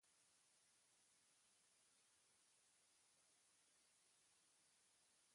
Malgré cela, le groupe a du mal à passer sur les radios australiennes.